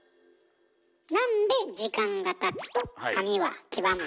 なんで時間がたつと紙は黄ばむの？